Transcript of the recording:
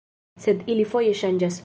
Sed ili foje ŝanĝas.